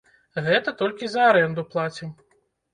Гэта толькі за арэнду плацім.